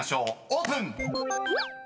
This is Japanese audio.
オープン！］